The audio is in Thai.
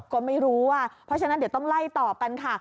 ก็ไม่รู้อ่ะเพราะฉะนั้นเดี๋ยวต้องไล่ตอบกันค่ะ